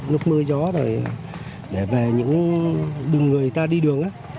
lúc mưa gió rồi để về những đường người ta đi đường á